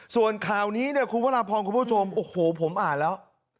ส่วนข่าวนี้เนี่ยคุณพระราพรคุณผู้ชมโอ้โหผมอ่านแล้ว